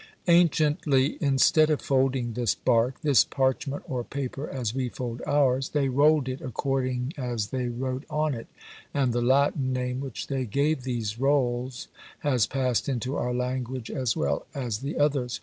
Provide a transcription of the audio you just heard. Anciently, instead of folding this bark, this parchment, or paper, as we fold ours, they rolled it according as they wrote on it; and the Latin name which they gave these rolls has passed into our language as well as the others.